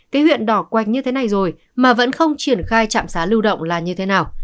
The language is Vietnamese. cái huyện đỏ quạch như thế này rồi mà vẫn không triển khai trạm xá lưu động là như thế nào